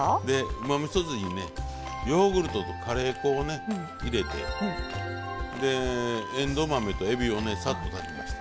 うまみそ酢にねヨーグルトとカレー粉を入れてえんどう豆とえびをねサッと炊きました。